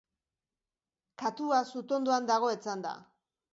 Katua sutondoan dago etzanda